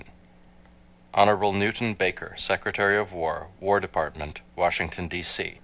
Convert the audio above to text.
Hon. Newton Baker, Secretary of War, War Department, Washington, D. C.